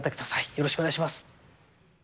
よろしくお願いします。